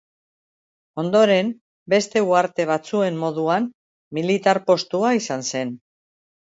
Ondoren, beste uharte batzuen moduan, militar-postua izan zen.